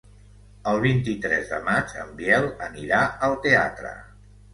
El vint-i-tres de maig en Biel anirà al teatre.